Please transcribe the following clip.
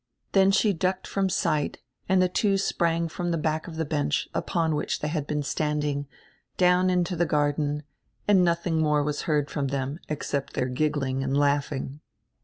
Then she ducked from sight and die two sprang from the back of the bench, upon which they had been standing, down into die garden and nothing more was heard from them except their giggling and laughing.